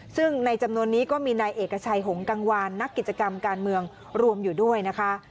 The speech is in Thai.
ซึ่งในจำนวนนี้ก็มีนายเอกชัยหงกังวานนักกิจกรรมการเมืองรวมอยู่ด้วยนะคะ